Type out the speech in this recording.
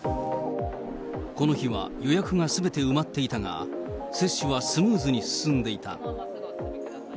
この日は予約がすべて埋まっていたが、接種はスムーズに進んでいた。